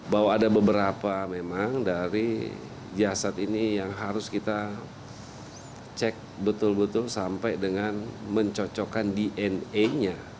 bahwa ada beberapa memang dari jasad ini yang harus kita cek betul betul sampai dengan mencocokkan dna nya